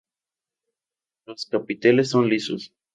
Los capiteles son lisos.